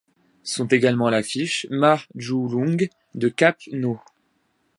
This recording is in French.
Sont également à l'affiche Ma Ju-Lung de Cape No.